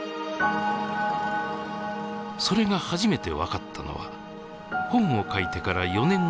それが初めて分かったのは本を書いてから４年後に訪ねたイラン。